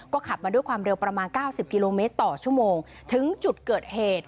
ขับมาด้วยความเร็วประมาณ๙๐กิโลเมตรต่อชั่วโมงถึงจุดเกิดเหตุ